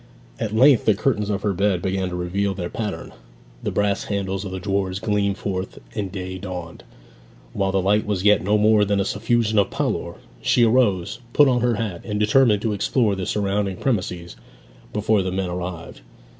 At length the curtains of her bed began to reveal their pattern, the brass handles of the drawers gleamed forth, and day dawned. While the light was yet no more than a suffusion of pallor, she arose, put on her hat, and determined to explore the surrounding premises before the men arrived.